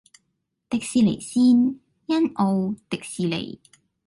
迪士尼綫：欣澳，迪士尼